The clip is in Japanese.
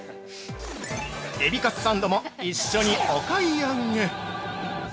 ◆海老かつサンドも一緒にお買い上げ。